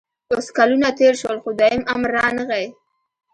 اوس کلونه تېر شول خو دویم امر رانغی